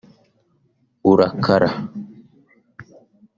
urakara